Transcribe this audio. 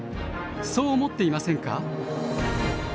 そう思っていませんか？